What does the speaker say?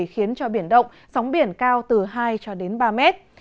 khiến cho biển động sóng biển cao từ hai cho đến ba mét